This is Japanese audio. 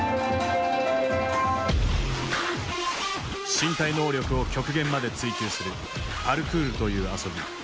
身体能力を極限まで追求するパルクールという遊び。